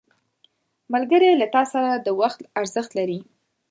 ملګری له تا سره د وخت ارزښت لري